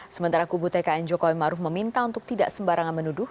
sementara kubu tkn jokowi maruf meminta untuk tidak sembarangan menuduh